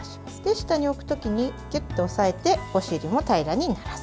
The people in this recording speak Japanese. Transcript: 下に置くときにキュッと押さえてお尻も平らにならす。